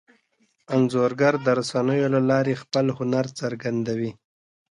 انځورګر د رسنیو له لارې خپل هنر څرګندوي.